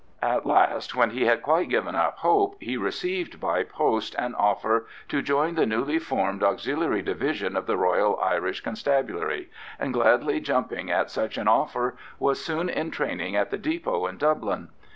At last, when he had quite given up hope, he received by post an offer to join the newly formed Auxiliary Division of the Royal Irish Constabulary, and, gladly jumping at such an offer, was soon in training at the depot in Dublin.